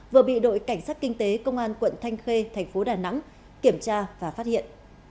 vừa bị đội cảnh sát kinh tế công an quận thanh khê thành phố đà nẵng kiểm tra và phát hiện